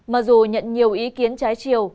mặc dù nhận nhiều ý kiến trái chiều